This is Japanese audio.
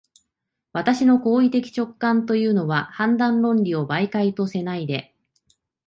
私の行為的直観というのは、判断論理を媒介とせないで、